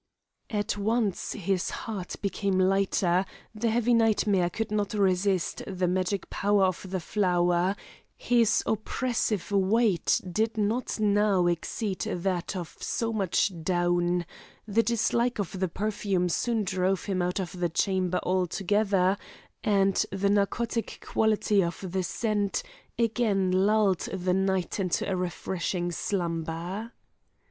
At once his heart became lighter, the heavy nightmare could not resist the magic power of the flower, his oppressive weight did not now exceed that of so much down; the dislike of the perfume soon drove him out of the chamber altogether, and the narcotic quality of the scent again lulled the knight into a refreshing slumber.